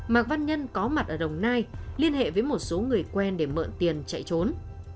mạc văn nhân có mặt ở đồng nai liên hệ với một số người quen để mượn tiền chạy trốn